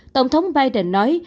tổng thống biden nói